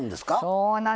そうなんです。